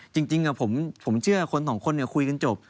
จริงผมเชื่อคนสองคนคุยกันจบ